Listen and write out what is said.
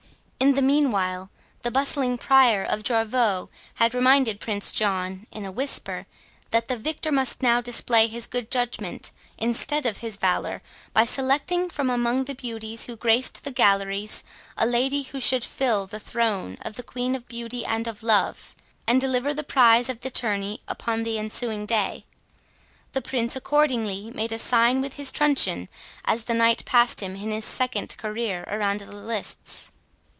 In the meanwhile, the bustling Prior of Jorvaulx had reminded Prince John, in a whisper, that the victor must now display his good judgment, instead of his valour, by selecting from among the beauties who graced the galleries a lady, who should fill the throne of the Queen of Beauty and of Love, and deliver the prize of the tourney upon the ensuing day. The Prince accordingly made a sign with his truncheon, as the Knight passed him in his second career around the lists.